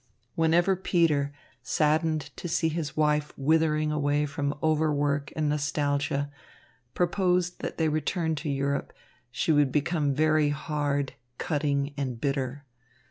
Whenever Peter, saddened to see his wife withering away from overwork and nostalgia, proposed that they return to Europe, she would become very hard, cutting and bitter.